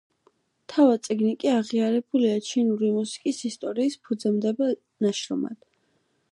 თავად წიგნი კი აღიარებულია ჩინური მუსიკის ისტორიის ფუძემდებელ ნაშრომად.